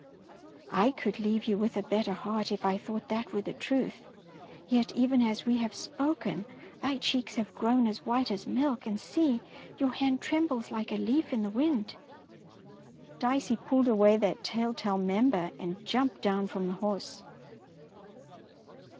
^' could leave you with a better heart if I thought that were the truth, yet even as we have spoken thy cheeks have grown as white as milk, and see, your hand trembles like a leaf in the wind ! Dicey pulled away that telltale mem ber and jumped down from the horse.